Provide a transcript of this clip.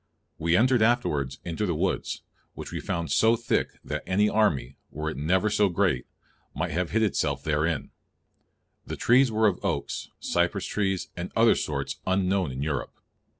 We entered afterwards into the woods, which we found so thicke that any army, were it never so great, might have hid itself therein; the trees whereof are okes, cypresse trees, and other sortes unknown in Europe."